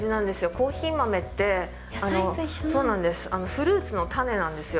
コーヒー豆って、フルーツの種なんですよ。